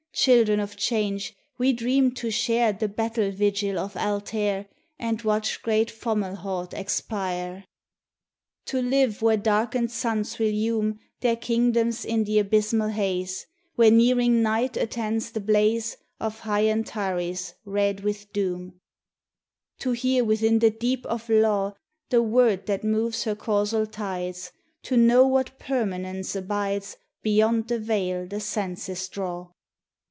Children of Change, we dream to share The battle vigil of Altair, And watch great Fomalhaut expire; 82 THE TESTIMONY OF THE SUNS. To live, where darkened suns relume Their kingdoms in the abysmal haze Where nearing Night attends the blaze Of high Antares red with doom; To hear within the deep of Law The Word that moves her causal tides ; To know what Permanence abides Beyond the veil the senses draw.